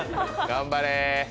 頑張れ。